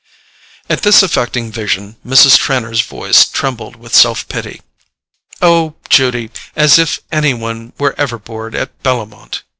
At this affecting vision Mrs. Trenor's voice trembled with self pity. "Oh, Judy—as if any one were ever bored at Bellomont!"